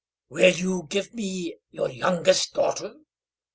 "Will you give me your youngest daughter?